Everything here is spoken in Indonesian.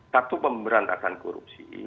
satu pemberantasan korupsi